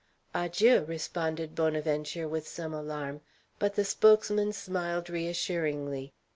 "Adjieu," responded Bonaventure, with some alarm; but the spokesman smiled re assuringly.